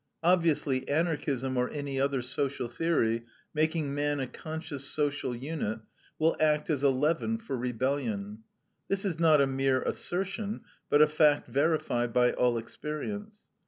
Obviously, Anarchism, or any other social theory, making man a conscious social unit, will act as a leaven for rebellion. This is not a mere assertion, but a fact verified by all experience.